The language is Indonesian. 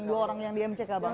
dua orang yang di mck bang